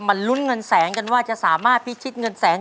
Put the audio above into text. ลุ้นเงินแสนกันว่าจะสามารถพิชิตเงินแสน